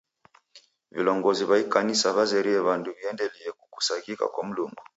Vilongozi w'a ikanisa w'azerie w'andu wiendelie kukusaghika kwa Mlungu.